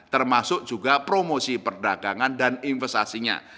termasuk juga promosi perdagangan dan investasinya